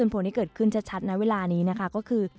ผลที่เกิดขึ้นชัดนะเวลานี้นะคะก็คือ